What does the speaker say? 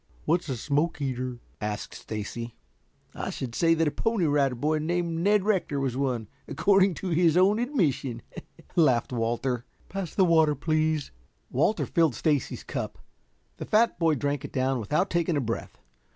"What's a smoke eater?" asked Stacy. "I should say that a Pony Rider Boy named Ned Rector was one, according to his own admission," laughed Walter. "Pass the water, please." Walter filled Stacy's cup. The fat boy drank it down without taking a breath.